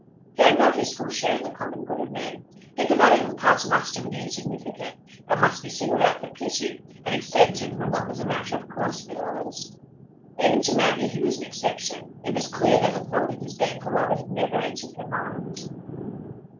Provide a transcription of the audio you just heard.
He had not his full share in the common good of men; he could not even pass muster with the insignificant, but must be singled out for pity, and excepted from what was a matter of course with others. Even to Maggie he was an exception; it was clear that the thought of his being her lover had never entered her mind.